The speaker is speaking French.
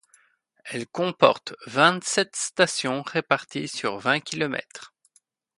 Elle comporte vingt-sept stations réparties sur vingt kilomètres.